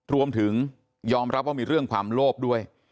รวมถึงยอมรับว่ามีเรื่องความโลภด้วย